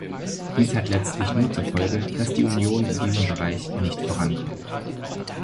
Dies hat letztlich nur zur Folge, dass die Union in diesem Bereich nicht vorankommt.